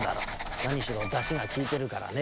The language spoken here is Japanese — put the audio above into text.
なにしろだしがきいてるからね」。